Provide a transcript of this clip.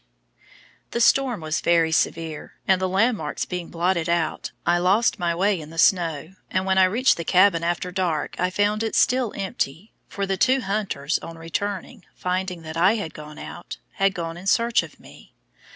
The storm was very severe, and the landmarks being blotted out, I lost my way in the snow, and when I reached the cabin after dark I found it still empty, for the two hunters, on returning, finding that I had gone out, had gone in search of me.